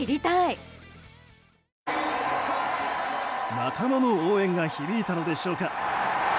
仲間の応援が響いたのでしょうか。